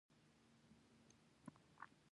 د شتمن کېدو لپاره یې د جګړې زړي وکرل.